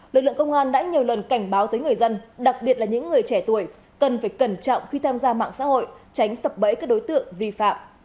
lực lượng công an đã nhiều lần cảnh báo tới người dân đặc biệt là những người trẻ tuổi cần phải cẩn trọng khi tham gia mạng xã hội tránh sập bẫy các đối tượng vi phạm